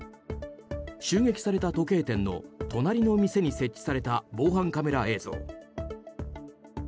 襲撃された時計店の隣の店に設置された防犯カメラ映像。